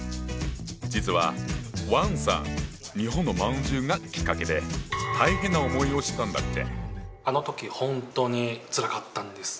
実は王さん日本の饅頭がきっかけで大変な思いをしたんだって！